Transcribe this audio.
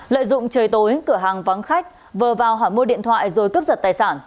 lợi dụng trời tối cửa hàng vắng khách vờ vào hỏi mua điện thoại rồi cướp giật tài sản